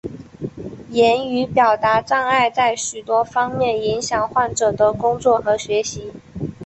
言语表达障碍在许多方面影响患者的工作和学习。